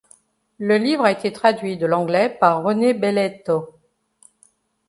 Le livre a été traduit de l'anglais par René Belletto.